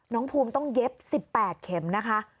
น้องภูมิต้องเย็บ๑๘เข็มนะคะ